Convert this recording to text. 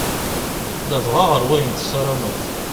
Ladɣa ɣer wayen tessarameḍ.